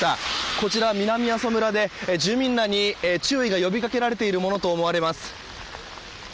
こちら、南阿蘇村で住民らに注意が呼びかけられているものと思われます。